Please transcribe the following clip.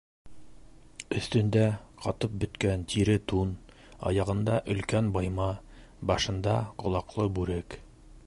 Өҫтөндә - ҡатып бөткән тире тун, аяғында - өлкән быйма, башында - ҡолаҡлы бүрек.